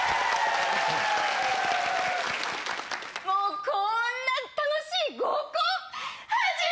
もうこんな楽しい合コン。